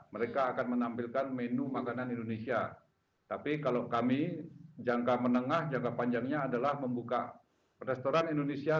mereka akan menampilkan menu makanan indonesia tapi kalau kami jangka menengah jangka panjangnya adalah membuka restoran indonesia